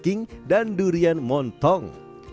king dan durian montong